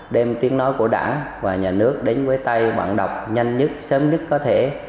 đem tiếng nói của đảng và nhà nước đến quê tây bản đọc nhanh nhất sớm nhất có thể